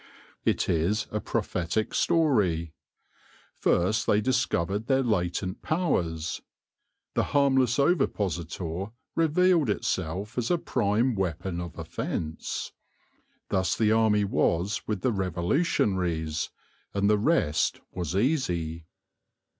It is a prophetic story. First they discovered their latent powers. The harmless ovipositor re vealed itself as a prime weapon of offence. Thus the army was with the revolutionaries, and the rest was easy.